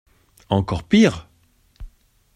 Encore pire !